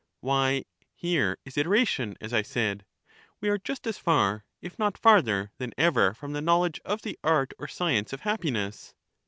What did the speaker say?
Why, here is iteration; as I said, we are just as far, if not farther, than ever from the knowledge of the art or science of happiness.